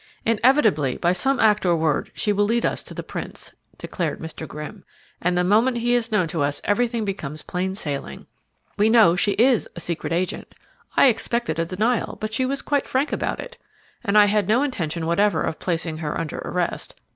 "Inevitably, by some act or word, she will lead us to the prince," declared Mr. Grimm, "and the moment he is known to us everything becomes plain sailing. We know she is a secret agent I expected a denial, but she was quite frank about it. And I had no intention whatever of placing her under arrest.